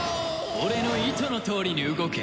俺の糸のとおりに動け。